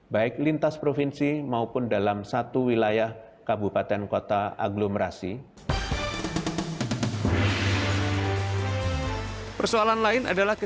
baik lintas provinsi maupun dalam satu wilayah kabupaten kota aglomerasi